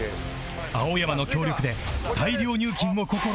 青山の協力で大量入金を試みる